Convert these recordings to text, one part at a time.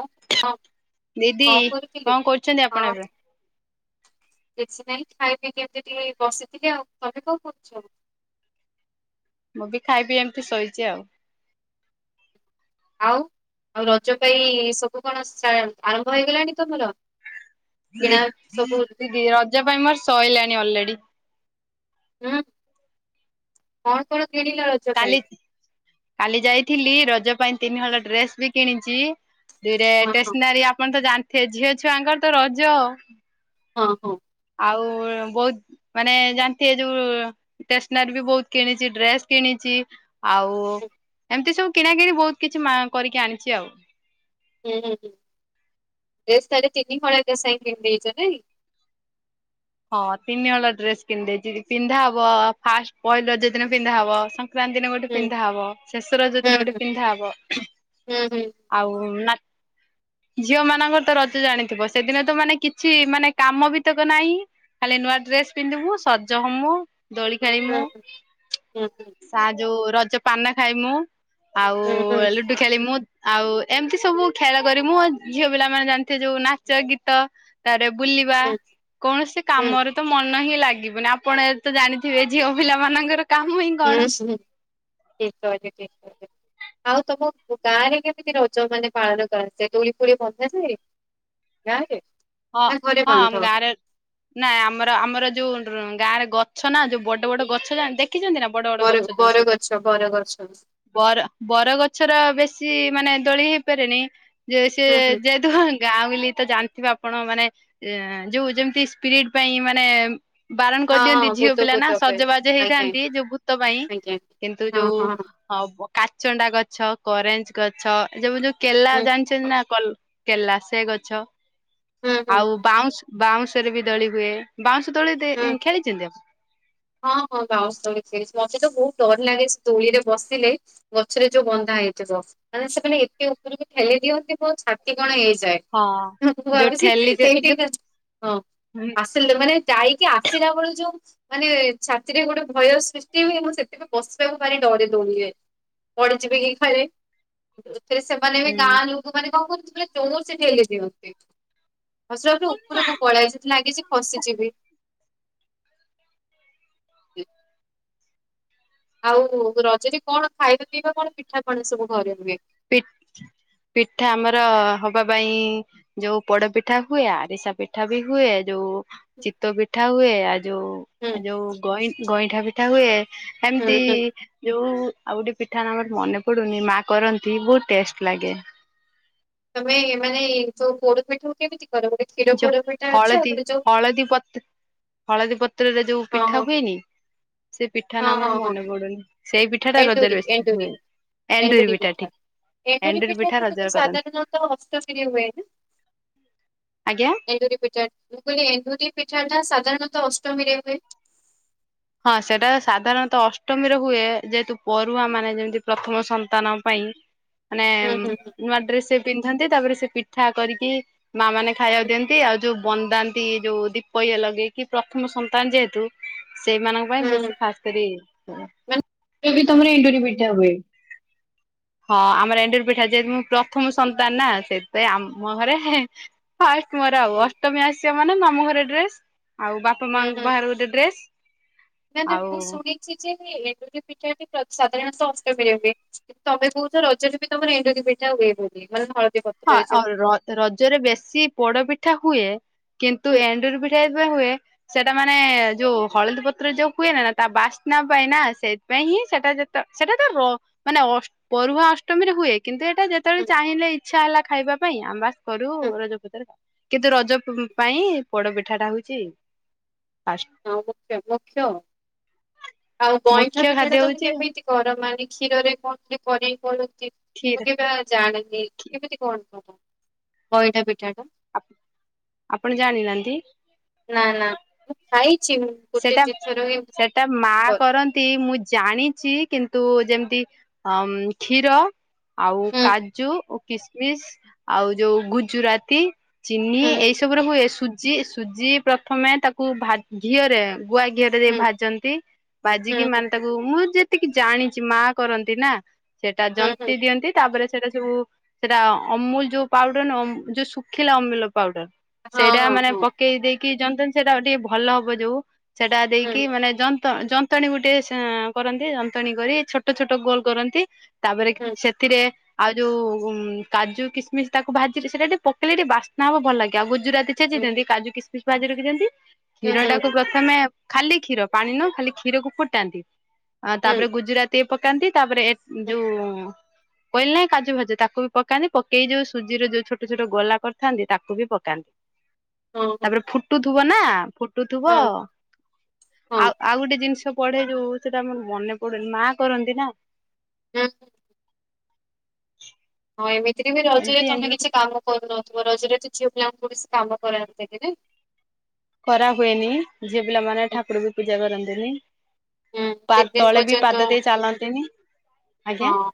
ହଁ ହଁ ଦିଦି କଣ କରୁଥିଲି କଣ କି? କରୁଛନ୍ତି ଆପଣ ଏବେ? କିଛି ନାଇଁ ଖାଇ ପିଇ କି ଏମିତି ଟିକେ ବସିଥିଲି ଆଉ ତମେ କଣ କରୁଛ? ମୁଁ ବି ଖାଇବି ଏମିତି ଶୋଇଛି ଆଉ। ଆଉ ଆଉ ରଜ ପାଇଁ ସବୁ କଣ ଆରମ୍ଭ ହେଇଗଲାଣି ତମର? ଦି କିଣା ସବୁ ରଜ ପାଇଁ ମୋର ସଇଲାଣି ଅଲେଡି ହୁଁ, କଣ-କଣ କିଣିଲ ଆଜି? କାଲି କାଲି ଯାଇଥିଲି ରଜ ପାଇଁ ତିନିହଳ ଡ୍ରେସ୍ ବି କିଣିଛି ଦୁଇରେ ହଁ ହଁ ଷ୍ଟେସ୍ନାରୀ ଆପଣ ତ ଜାଣିଥିବେ ଝିଅ ଛୁଆଙ୍କର ତ ରଜ ହଁ ହଉ। ଆଉ ବହୁତ ମାନେ ଜାଣିଥିବେ ଯୋଉ ଷ୍ଟେସନାରି ବି ବହୁତ କିଣିଛି, ଡ୍ରେସ୍ କିଣିଛି। ଆଉ ଏମିତି ସବୁ କିଣା କିିଣି ବହୁତ କିଛି ମା କରିକି ଆଣିଛି ଆଉ। ହୁଁ-ହୁଁ-ହୁଁ, ଡ୍ରେସ୍‌ ତା ହେଲେ ତିନି ହଳ ଏକା ସାଙ୍ଗେ କିଣି ଦେଇଛ ନାଇଁ। ହଁ ତିନି ହଳ ଡ୍ରେସ କିମଦେଇଛି ପିନ୍ଧା ହବ ଫାଷ୍ଟ ପହିଲି ରଜ ଦିନ ପିନ୍ଧା ହବ ସଂ ସଂକ୍ରାନ୍ତି ଦିନ ଗୋଟେ ହୁଁ ପିନ୍ଧା ହବ ଶେଷ ରଜ ଦିନ ଗୋଟେ ହୁଁ ପିନ୍ଧା ହବ ହୁଁ ହୁଁ ଆଉ ନା ଝିଅ ମାନଙ୍କର ତ ରଜ ଜାଣିଥିବ ସେଦିନ ତ ମାନେ କିଛି ମାନେ କାମ ବି ତକ ନାହିଁ। ଖାଲି ନୂଆ ଡ୍ରେସ୍ ପିନ୍ଧିବୁ, ସଜ ହମୁ, ଦୋଳି ଖେଳିମୁ। ହୁଁ ହୁଁ ହୁଁ ସା ଯୋଉ ରଜ ପାନ ଖାଏ ମୁଁ ଆଉ ହୁଁ ଲୁୁଡ଼ୁ ଖେଳିମୁଁ ଆଉ ଏମିତି ସବୁ ଖେଳ କରି ମୁଁ ଝିଅ ପିଲା ମାନେ ଜାଣିଥିବେ ଯୋଉ ନାଚ ଗୀତ ତାପରେ ବୁଲିବା ହୁଁ କୌଣସି ହୁଁ କାମରେତ ମ ନାହିଁ ଲାଗିବନି ଆପଣ ତ ଜାଣିଥିବେ ଝିଅ ପିଲା ମାନଙ୍କର କାମ ହିଁ ଉଁ କଣ? ହୁଁ ଠିକ୍ କହିଛ ଠିକ୍ କହିଛ ଆଉ ତମ ଗାଁ ରେ କେମିତି ରଜ ମାନେ ପାଳନ କରାଯାଏ? ଦୋଳି ଫୋଳି ବନ୍ଧା ଯାଏ? ଗାଁରେ ହଁ ହଁ ମ୍ୟାରେ ନାଁ ଆମର-ଆମର ଯୋଉ ଗାଁରେ ଗଛ ନା, ଯୋଉ ବଡ ବଡ ଗଛ ଜାଣି ଦେଖିଛନ୍ତି ନା। ବଡ ବଡ ବର- ଗଛ ଯୋଉ ବର ସବୁ ଗଛ ବର ଗଛ। ବର ବରଗଛର ବେଶୀ ମାନେ ଦୋଳି ହେଇପାରେନି। ଯେ ସେ ହୁଁ ହୁଁ ଯେ ଗାଉଁଲି ତ ଜାଣିଥିବେ ଆପଣ ଆପଣ ମାନେ ଯୋଉ ଯେମିତି ସ୍ପିରିଟ ପାଇଁ ମାନେ ବାରଣ ହଁ କରିଦିଅନ୍ତି ହଁ ଝିଅ ବୁତ ପିଲା ନା ବୁତ ପାଇଁ ସଜବାଜ ଆଜ୍ଞା ହେଇଥାନ୍ତି ଯୋଉ ଭୂତ ପାଇଁ ଆଜ୍ଞା କିନ୍ତୁ ହଁ ଯୋଉ ହଁ ହବ କାଚଣ୍ଡା ଗଛ କରେଞ୍ଜ ଗଛ ଯ ଯୋଉ କେଲା ହୁଁ ଜାଣିଛନ୍ତି ନା କଲ୍ କେଲା ସେ ଗଛ ହୁଁ ଆଉ ହୁଁ ବାଉଁଶ ବାଉଁଶରେ ବି ଦୋଳି ହୁଏ ବାଉଁଶ ଦୋଳି ଦେ ହୁଁ ଖେଳିଛନ୍ତି ଆପଣ? ହଁ ହଁ ବାଉଁଶ ଦୋଳି ଖେଳିଛି ମତେ ତ ବହୁତ ଡର ଲାଗେ ସେ ଦୋଳି ରେ ବସିଲେ ଗଛରେ ଯୋଉ ବନ୍ଧା ହେଇଥିବ। ମାନେ ସେମାନେ ଏତେ ଉପରକୁ ଠେଲି ଦିଅନ୍ତି ମୋ ଛାତି କଣ ହେଇଯାଏ। ହଁ ମୁଁ ଯୋଉ ଭାବିଛି ଠେଲି ଦେ ସେଇଠି ଯୋଉ କି ଆସ। ହଁ ହୁଁ ଆସ। ମାନେ ଯାଇକି ଆସିଲା ବେଳୁ କୁ ଯୋଉ ମାନେ ଛାତିରେ ଗୋଟେ ଭୟ ସୃଷ୍ଟି ହୁଏ ମୁଁ ସେଥିପାଇଁ ବଶିବାକୁ ଭାରି ଡରେ ଦୋଳିିରେ ପଡିଯିବେ କି ଘରେ ଥିରେ ସେ ମାନେ ଏବେ ହୁଁ ଗାଁ ଲୋକ ମାନେ କଣ କରୁଥିଲେ ଚୋର ସେଠି ଠେଲି ଦିଅନ୍ତି। ମତେ ଲାଗୁଚି ଉପରକୁ ପାଳେଇଆଇ, ମତେ ଲାଗୁଚି କିଛି ଲାଗିଛି ଫସିଜିବି। କୁ [inaudible] ଆଉ ରଜରେ କଣ ଖାଇବା ପିଇବା, କଣ ପିଠା ପଣା ସବୁ ଘରେ ହୁଏ? ପି ପିଠା ଆମର ହବା ପାଇଁ ଯୋଉ ପୋଡ ପିଠା ହୁଏ, ଆରିସା ପିଠା ବି ହୁଏ, ଯୋଉ ଚିତଉ ପିଠା ହୁଏ, ଆଉ ଯୋଉ ହୁଁ ଯୋଉ ଗଇଁ ଗଇଁଠା ପିଠା ହୁଏ। ହୁଁ ଏମତି ହୁଁ ଯୋଉ ଆଉ ଗୋଟେ ପିଠା ନାମ ମନେ ପଡୁନି, ମା କରନ୍ତି ସିଏ ବହୁତ୍ ଟେଷ୍ଟ ଲାଗେ। ତମେ ମାନେ ଯୋଉ ପୋଡ ପିଠାକୁ କେମିତି କରନ୍ତି? ଜଉ ହଳଦୀ ହଳଦୀ ପତ୍ର ହଳଦୀ ପତ୍ରରେ ଯୋଉ ହଁ ପିଠା ହଁ ହୁଏନି, ସେ ପିଠା ନାଁ ହଁ ମୋର ହଁ ମାନେ ହଁ ପଡୁନି। ସେ ପିଠା ଟା ରଜରେ ଏଣ୍ଡୁରି ବେସୀ ହୁଏ, ଏଣ୍ଡୁରି ଏଣ୍ଡୁରି ପିଠା ଠିକ୍। ଏଣ୍ଡୁରି ପିଠା ରଜରେ କରନ୍ତି। ତ ହସ୍ତଶିରି ହୁଏ। ଆଜ୍ଞା? ଏଣ୍ଡୁରି ପିଠା ଟା, ମୁଁ କହିଲି ଏଣ୍ଡୁରି ପିଠା ଟା ସାଧାରଣତଃ ଅଷ୍ଟମୀରେ ହୁଏ। ହଁ ସେଟା ସାଧାରଣତଃ ଅଷ୍ଟମୀରେ ହୁଏ, ଯେହେତୁ ପରୁଆ ମାନେ ଯେମିତି ପ୍ରଥମ ସନ୍ତାନ ପାଇଁ। ମାନେ, ହୁଁ ହୁଁ ହୁଁ ନୂଆଁ ଡ୍ରେସ ସେ ପିନ୍ଧନ୍ତି, ତାପରେ ସେ ପିଠା କରିକି ମା ମାନେ ଖାଇବାକୁ ହୁଁ ଦିଅନ୍ତି, ଆଉ ଯୋଉ ବନ୍ଦାନ୍ତି ଯୋଉ ଦୀପ ଇଏ ଲଗେଇକି ପ୍ରଥମ ସନ୍ତାନ ଯେହେତୁ। ସେଇମାନଙ୍କ ପାଇଁ ବେସି ଖାସ୍ କରି ତମର ଏଣ୍ଡୁରି ପିଠା ହୁଏ? ହଁ ଆମର ଏଣ୍ଡୁରି ପିଠା, ଯେହେତୁ ମୁଁ ପ୍ରଥମ ସନ୍ତାନ ନା ସେଇଥିପାଇଁ ଆମ ଘରେ ହେ ତୁମର ଆଉ ଅଷ୍ଟମୀ ଆସିବା ମାନେ, ମାମୁଁ ଘର ଡ୍ରେସ ଆଉ ବାପା ମାଙ୍କ ପାଖରେ ଗୋଟେ ଡ୍ରେସ। ନାଁ ନାଁ ମୁଁ ଆଉ ଶୁଣିଛି, ଯେ ଏଣ୍ଡୁରି ପିଠା ସାଧାରଣତଃ ଅଷ୍ଟମୀରେ ହୁଏ। ତମେ କହୁଛ ରଜରେ ବି ତମର ଏଣ୍ଡୁରି ପିଠା ହୁଏ ବୋଲି। ହଁ, ପତ୍ରରେ ଯୋଉ ଆ ରଜରେ ବେଶୀ ପୋଡ ପିଠା ହୁଏ। କିନ୍ତୁ, ହୁଁ ଏଣ୍ଡୁରି ପିଠାବି ହୁଏ,। ସେଟା ମାନେ, ଯୋଉ ହଳଦୀ ପତ୍ର ଯୋଉ ହୁଏ ନା ନା ତା ବାସ୍ନା ପାଇଁ ନା ସେଥିପାଇଁ ହିଁ ସେଟା ଯେ ସେଇଟାତ ର ମାନେ ପରୁହା ଅଷ୍ଟମୀରେ ହୁଏ କିନ୍ତୁ ଏ ଯେତେବେଳେ ହୁଁ ଚାହିଁଲେ ଇଚ୍ଛା ହେଲା ଖାଇବା ପାଇଁ, ଆମେ ବାସ କରୁ ହୁଁ ରଜପତରେ ଖାଉ କିନ୍ତୁ ରଜ ପାଇଁ ପୋଡ ପିଠାଟା ହଉଛି, ଫାଷ୍ଟ ହଁ ମୁଖ୍ୟ ମୁଖ୍ୟ ଆଉ ଗଇଁଠା ମୁଖ୍ୟ ଖାଦ୍ୟ ପିଠାଟା ତମେ ହଉଛି କେମିତି? ଘର ମାନେ କ୍ଷୀରରେ କଣ କରେଇ କ୍ଷୀର କନ୍ତିିବା ଜାଣନି କେମିତି କଣ ହବ? ଗଇଁଠା ପିଠା କୁ ଆପଣ ଜାଣିନାହାନ୍ତି? ନାଁ ନାଁ ମୁଁ ଖାଇଛି ମୁଁ। ଗୋଟେ ସେଟାମ ଦିଥର ଏମିତି ସେ ଟ୍ ଏଇଟା ମା କର। କରନ୍ତି, ମୁଁ ଜାଣିଛି କିନ୍ତୁ ଯେମିତି ଅ କ୍ଷୀର ଆଉ ହୁଁ କାଜୁ, କିସମିସ, ଆଉ ଯୋଉ ଗୁଜୁରାତି। ଚିନି, ହୁଁ ଏଇ ସବୁରେ ହୁଏ ସୁଜି, ସୁଜି ପ୍ରଥମେ ତାକୁ ଭାଜି ତାକୁ ଘିଅରେ ଗୁଆ ଘିଅରେ ଦେଇ ହୁଁ ଭାଜନ୍ତି, ହୁଁ ଭାଜିକି ହୁଁ ମାନେ ତାକୁ ମୁଁ ଯେତିକି ଜାଣିଛି ମା କରନ୍ତି ନା, ସେଟା ହୁଁ ହୁଁ ଜନ୍ତି ଦିଅନ୍ତି ତାପରେ ସେଟା ସବୁ ସେଇଟା ଅମୁଲ ଯୋଉ ପାଉଡର ନୁହଁ, ଯୋଉ ଶୁଖିଲା ଅମୁଲ ପାଉଡର ହଁ ସେଇଟା ହଁ ମାନେ ପକ୍ ହଁ ପକେଇ ଦେଇକି ଜନ୍ତତି ଜଣେ ସେଇଟା ଟିକେ ଭଲ ହବ ଯୋଉ ସେଟା ହୁଁ ଦେଇକି ମାନେ ଯ ଯନ୍ତଣୀ ଗୋଟେ କରନ୍ତି, ଯନ୍ତଣୀ କରି ଛୋଟ ଛୋଟ ଗୋଲ କରନ୍ତି ତାପରେ ହୁଁ ସେଥିରେ ଆଉ ଯୋଉ କାଜୁ କିସମିସ୍ ତାକୁ ଭାଜି, ସେଇଟା ଟିକେ ପକେଇଲେ ଟିକେ ବାସ୍ନା ହବ, ଭଲ ଲାଗିବ ଆଉ ଗୁଜୁରାତି ହଁ ଛେଚିଦିଅନ୍ତି କାଜୁ କିସ୍ ମିସ ଭାଜି ରଖିଦିଅନ୍ତି,। କ୍ଷୀରଟାକୁ ପ୍ରଥମେ, ଖାଲି କ୍ଷୀର ପାଣି ନୁହଁ ଖାଲି କ୍ଷୀର କୁ ଫୁଟାନ୍ତି, ତାପରେ ଗୁଜୁରାତି ତି ପକାନ୍ତି ତାପରେ ଯୋଉ କହିଲେ ନାହିଁ କାଜୁାଭାଯୁ ତାକୁ ବି ପକାନ୍ତି ପକେଇ ଯୋଉ ସୁଜିର ଯୋଉ ଛୋଟ ଛୋଟ ଗୋଲା କରିଥାନ୍ତି ତାକୁ ବି ପକାନ୍ତି। ତାପରେ ଫୁଟୁଥିବ ନା ଫୁଟୁଥିବ ଆଉ ଆଉ ଗୋଟେ ଜିନିଷ ପଢେ ଯୋଉ ସେଟା ମୋର ମନେ ପଡୁନି ମା କରନ୍ତି ନା? ହୁଁ। ହଁ ଏମିତିରେ ବି ରଜରେ ଏମତି ତମେ ଏମତି କିଛି କାମ କରୁନଥିବ ରଜରେ ତ ଝିଅ ପିଲାଙ୍କୁ କୌଣସି କାମ କରାନ୍ତିନ୍ତି କି ନା? କରା ହୁଏନି ଝିଅ ପିଲାମାନେ ହୁଁ ଠାକୁର ବି ପୂଜା କରନ୍ତିନି। ହୁଁ, ପା ତିନି ଦିନ ତଳେ ବି ପର୍ଯ୍ୟନ୍ତ ପାଦ ଦେଇ ଚାଲନ୍ତିନି ଆଜ୍ଞା। ହଁ।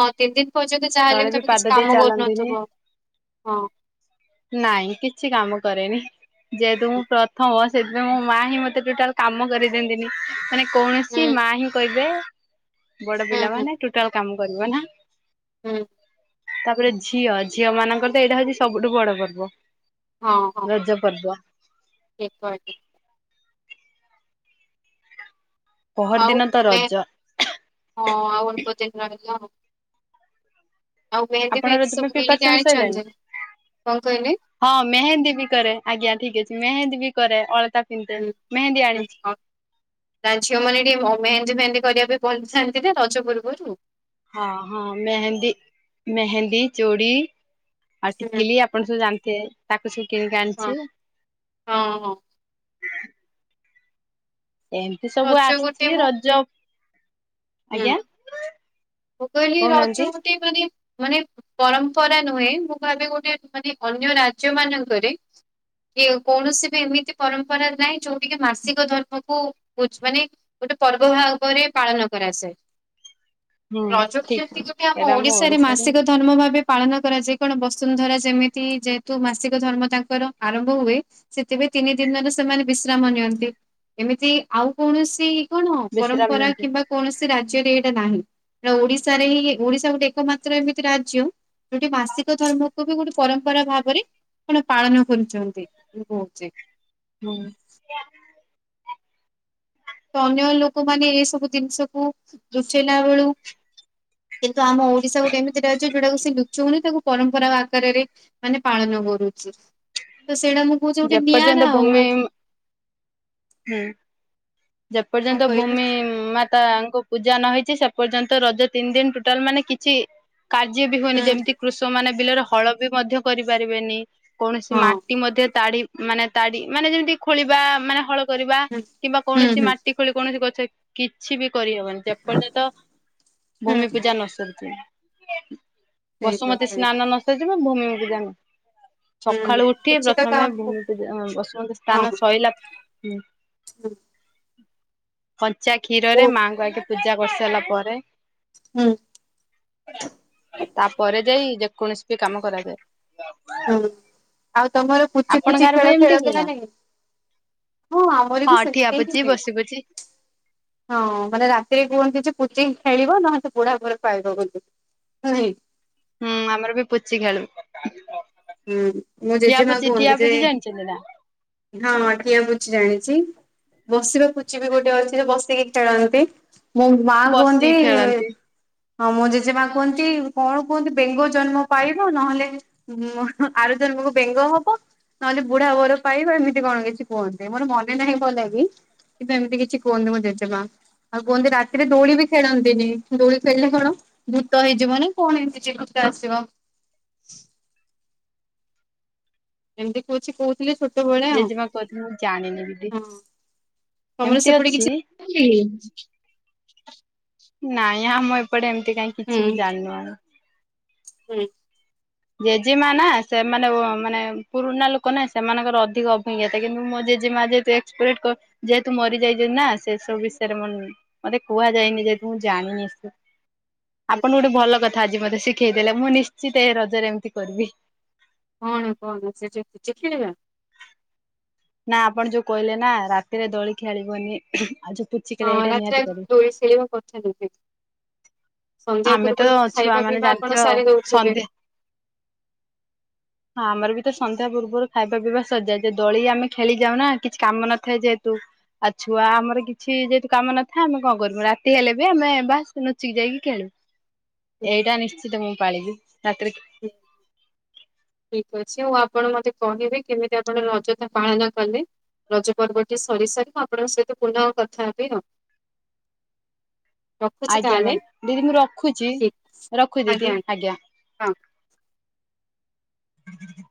ହଁ ତିନି ଦିନ ପର୍ଯ୍ୟନ୍ତ ଯାହାହଲେ ତଳେ ବି ତମେ କିଛି ପାଦ ଦେଇ କାମ ଚାଲନ୍ତିନି। କରୁନଥିବ ଆଉ ହଁ ନାଇଁ କିଛି କାମ କରେନି। ଯେହେତୁ ହୁଁ ମୁଁ ପ୍ରଥମ ସେଥିପାଇଁ ମୋ ମା ହିଁ ମତେ ଟୋଟାଲି କାମ କରିଦିଅନ୍ତିନି ମାନେ। କୌଣସି ମା ହିଁ କହିବେ ବଡ ହୁଁ ହୁଁ ପିଲାମାନେ ଟୋଟାଲ କାମ କରିବ ନା। ହୁଁ। ତାପରେ ଝିଅ ଝିଅ ମାନଙ୍କର ତ ଏଇଟା ହଉଛି ସବୁଠୁ ବଡ ପର୍ବ। ହଁ ହ। ରଜ ପର୍ବ। [inaudible] ପହର ଆଉ ଦିନ ତ ରଜ ହଁ ଆଉ ଅଳ୍ପ ଦିନ ରହିଲା ଆଉ ଆଉ ମେହେନ୍ଦୀ ଆପଣଙ୍କର ଫେହେନ୍ଦୀ ତମେ ସବୁ କିଣିକି ପ୍ରିପାରେସନ ସଇଲାଣି? ଆଣିଛନ୍ତି କଁ କହିଲେ? ହଁ ମେହେନ୍ଦୀବି କରେ ଆଜ୍ଞା ଠିକ୍ ଅଛି ମେହେନ୍ଦୀବି କରେ ଅଳତା ପିନ୍ଧେ ହୁଁ ମେହେନ୍ଦୀ ହୁଁ ଆଣିଚି। ଆଉ ତା ଝିଅ ମାନେ ଟିକେ ମେହେନ୍ଦେ ମେହେନ୍ଦେ କରିବା ପାଇଁ [unintelligible] ରଜ ପୂର୍ବରୁ ହଁ ହଁ ମେହେନ୍ଦି ମେହେନ୍ଦୀ ଚୁଡ଼ି ଆଉ ହୁଁ। ଟିକିଲି ଆପଣ ସବୁ ଜାଣିଥିବେ ତାକୁ ସବୁ କିଣିକି ହଁ ଆଣିଚୁ ହଁ। ଏମିତି ସବୁ ରଜ ଗୋଟେ ଆସିଚି ମୁଁ ରଜ ହୁଁ ଆଜ୍ଞା ମୁଁ କହିଲ ରଜ କହୁନାହାନ୍ତି ଗୋଟେ ମାନେ ମାନେ ପରମ୍ପରା ନୁହେଁ ମୁଁ ଭାବି ଗୋଟେ ମାନେ ଅନ୍ୟ ରାଜ୍ୟ ମାନଙ୍କରେ ଏ କୌଣସିବି ଏମିତି ପରମ୍ପରା ନାହିଁ ଯୋଉଠିକିି ମାସିକ ଧର୍ମକୁ ପୋ ମାନେ ଗୋଟେ ପର୍ବ ଭାବରେ ପାଳନ କରାଯାଏ। ହୁଁ ରଜକୁ ଠିକ। ଯେମିତିକି ଆମ ଓଡିଶାରେ ମାସିକ ଧର୍ମ ଭାବେ ପାଳନ କରାଯାଏ କଣ ବସୁନ୍ଧରା ଯେମିତି ଯେହେତୁ ମାସିକ ଧର୍ମ ତାଙ୍କର ଆରମ୍ଭ ହୁଏ। ସେଥିପାଇଁ ତିନି ଦିନରେ ସେମାନେ ବିଶ୍ରାମ ନିଅନ୍ତି ଏମିତି ଆଉ କୌଣସି କଣ ବେଶୀ ପରମ୍ପରା ରାମନ୍ତି କିମ୍ବା କୌଣସି ରାଜ୍ୟରେ ଏଇଟା ନାହିଁ। ଓଡିଶାରେ ହିଁ ଓଡିଶା ଗୋଟେ ଏକମାତ୍ର ଏମିତି ରାଜ୍ୟ ଗୋଟେ ମାସିକ ଧର୍ମକୁବି ଗୋଟେ ପରମ୍ପରା ଭାବରେ ଆପଣ ପାଳନ କରୁଚନ୍ତି ମୁଁ କହୁଚି। ହୁଁ। ତ ଅନ୍ୟ ଲୋକମାନେ ଏ ସବୁ ଜିନିଷକୁ ଲୁଚେଇଲା ବେଳୁ କିନ୍ତୁ ଆମ ଓଡିଶା ଗୋଟେ ଏମିତି ରାଜ୍ୟ ଯୋଉଟାକୁ ସେ ଲୁଚୁଅନି ତାକୁ ପରମ୍ପରା ଆକାରରେ ମାନେ ପାଳନ କରୁଚୁ ତ ସେଇଟା ମୁଁ ହଉଚି ଗୋଟେ ଯେପର୍ଯ୍ୟନ୍ତ ନିଆରା ଆଉ। ଭୂମି ହୁଁ କଣ ଯେପର୍ଯ୍ୟନ୍ତ କହିଲେ ଭୂମି ମା ତାଙ୍କ ପୂଜା ନହେଇଚି ସେପର୍ଯ୍ୟନ୍ତ ରଜ ତିନି ଦିନ ଟୋଟାଲ ମାନେ କିଛି କାର୍ଯ୍ୟବି ହୁଏନି ହୁଁ ଯେମିତି କୃଷକ ମାନେ ବିଲରେ ହଳବି ମଧ୍ୟ କରିପାରିବେନି କୌଣସି ହଁ ମାଟି ମଧ୍ୟ ତାଡି ମାନେ ତାଡି ମାନେ ଯେମିତି ଖୋଳିବା ମାନେ ହଳ କରିବା କିମ୍ବା [inaudible] କୌଣସି ମାଟି ଖୋଳି କୌଣସି ଗଛ କିଛିବି କରିହବନି। ଯେପର୍ଯ୍ୟନ୍ତ ଭୂମି ହୁଁ ପୂଜା ନସରିଚି। ସେଇଟା ବସୁମତୀ ସେଇଟା ସ୍ନାନ ନସରିବ ଭୂମିକୁଜା [unintelligible] ହୁଁ ସକାଳୁ ଉଠି କିଛି ତ ପ୍ରଥମେ କାମ ଭୂମି ପୂଜା ବସୁମନ୍ତ ହଁ ସ୍ଥାନ ସଇଲା ହୁଁ। ହୁଁ। କଞ୍ଚା ଓ କ୍ଷୀରରେ ମାଙ୍କୁ ଆଗେ ପୂଜା କରିସାରିଲା ପରେ ହୁଁ ତାପରେ ଯାଇ ଯେକୌଣସିବି କାମ କରାହୁଏ। ହୁଁ ଆଉ ତମର ପୁଚି ଆପଣଙ୍କ ଫୁଚି ଆଡେ ବି ଖେଳ ଏମିତି ହୁଏ ଖେଳକିନା ନା? ନାଇଁ? ହଁ ଆମରବି ହଁ ଠିଆ ସେମିତିହିଁ ପୁଚି ହୁଏ। ବସି ପୁଚି ହଁ ମାନେ ରାତିରେ କୁହନ୍ତିଯେ ପୁଚି ଖେଳିବ ନହେଲେ ସେବୁଢା ଘରେ ପାଇବ ବୋଲି ହୁଁ। ହୁଁ ଆମରବି ପୁଚି ଖେଳୁ। ହୁଁ ମୋ ଠିଆ ଜେଜେମା ପୁଚି ଠିଆ କୁହନ୍ତିଯେ ପୁଚି ଜାଣିଛନ୍ତି ନା? ହଁ କିଏ ପୁଛି ଜାଣିଚି। ବସିବା ପୁଚିବିି ଗୋଟେ ଅଛି ଯେବସିକି ଖେଳନ୍ତି। ମୋ ମା କୁହନ୍ତି ବସିକି ଖେଳନ୍ତି ହଁ ମୋ ଜେଜେମା କୁହନ୍ତି କଣ କୁହନ୍ତି ବେଙ୍ଗ ଜନ୍ମ ପାଇବ ନହେଲେ ଉଁ ହଁ ଆର ଜନ୍ମକୁ ବେଙ୍ଗ ହବ ନହେଲେ ବୁଢା ବର ପାଇବା ଏମିତି କଣ କିଛି କୁହନ୍ତେ ମୋର ମନେ ନାହିଁ ଭଲ କି କିନ୍ତ ଏମିତି କିଛି କୁହନ୍ତୁ ମୁ ଜେଜେମା। ଆଉ କୁହନ୍ତି ରାତିରେ ଦୋଳି ବି ଖେଳନ୍ତିନି ଦୋଳି ଖେଳିଲେ କଣ ଭୀତ ହେଇଯିବ ନା କଣ ଏମିତି ଭୀତ ଆସିବ। ଏମିତି କହୁଛି କହୁଛି ଛୋଟବେଳେଆ ଆଉ ଜେଜେମା କହୁଥିଲେ ମୁଁ ଜାଣିନି ଦିଦି। ହଁ ତମର ଏମିତି ସେପଟେ ଅଛି କିଛି ହ [inaudible] ନାଇଁ ଆ ଆମଁ ଏପଟେ ଏମିତି କାଇହିଁ ହୁଁ କିଛି ବି ଜାଣିନୁନି ଆମେ। ହୁଁ। ଜେଜେମା ନା ସେମାନେ ମାନେ ପୁରୁଣା ଲୋକ ନା ସେମାନଙ୍କର ଅଧିକ ଅଭିଜ୍ଞତା କିନ୍ତୁ ମୋ ଜେଜେମାି। ଯେହେତୁ ମରିଯାଇଛ ନା ସେ ସବୁ ବିଷୟରେ ମେ ମତେ କୁହାଯାନି ଯେହେତୁ ମୁଁ ଜାଣିନି ଆପଣୁ ଗୋଟେ ଭଲ କଥା ଆଜି ମତେ ଶିଖେଇ ଦେେଲେ ମୁଁ ନିଶ୍ଚିତ ଏ ରଜରେ ଏମିତି କରିବି। କଣ କଣ ସେ ଯେତିଛିି ଖେଳିବା। ନା ଆପଣ ଯୋଉ କହିଲେ ନା ରାତିରେ ଦୋଳି ଖେଳିବନି ଆ ହଁ ରାତିରେ ଆ ଦୋଳି ଶେଳିବାକୁ କରିଛନ୍ତି ସେ। ସନ୍ଧ୍ୟା ଆମେ ତ ପୂର୍ବରୁ ଛୁଆ ଖାଇବା ମାନେ ପିଇବା ଜାଣିଥିବ ଆପଣ ସାରି ଦଉଥିବେ। ସନ୍ଧ୍ୟା ହଁ ଆମର ବି ତ ସନ୍ଧ୍ୟା ପୂର୍ବରୁ ଖାଇବା ପିଇବା ସଜା ଯେ ଦଳି ଆମେ ଖେଳିଯାଉ ନା କିଛି କାମ ନଥାଏ ଯେହେତୁ। ଆଉ ଛୁଆ ଆମର କିଛି ଯେହେତୁ କାମ ନଥାଏ ଆମେ କଣ କରମୁ ରାତି ହେଲେ ବି ଆମେ ବାସ ନଚିକି ଯାଇକି ଖେଳୁ। ଏଇଟା ନିଶ୍ଚିତ ମୁଁ ପାାଳିକି ରାତି। ଠିକ ଅଛି ଆଉ ଆପଣ ମତେ କହିବେ କେମିତି ଆପଣ ଅଯଥା ପାଳନ କଲେ। ରଜ ପର୍ବଟି ସରି ସାରି ମୁଁ ଆପଣଙ୍କ ସହିତ ପୁନଃ ଆଉ କଥା ହେବି ଆଉ। [inaudible] ରଖୁଛି ଆଜ୍ଞା ତାହେଲେ ମ୍ୟା ଦିଦି ମୁଁ ରଖୁଛି ଠିକ ରଖୁ ଦିଦି ଆଜ୍ଞା। ହଁ। ହୁଁ ହୁଁଁ